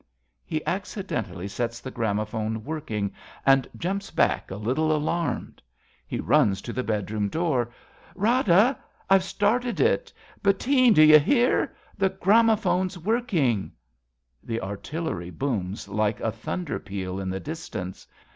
{He accidentally sets the gramophone working and jurnps back, a little alarmed. He runs to the bedroom, door.) Rada ! I've started it ! Bettine, d' you hear? The gramophone's working. {The artillery booms like a thunder 70 A BELGIAN CHRISTMAS EVE peal in the distance.